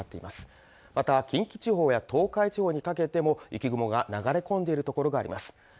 また近畿地方や東海地方にかけても雪雲が流れ込んでいるところがあります